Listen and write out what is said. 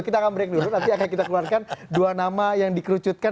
kita akan break dulu nanti akan kita keluarkan dua nama yang dikerucutkan